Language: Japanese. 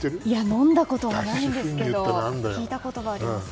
飲んだことはないんですけど聞いたことがあります。